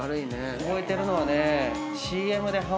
覚えてるのはね。